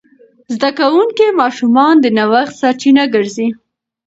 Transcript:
زده کوونکي ماشومان د نوښت سرچینه ګرځي.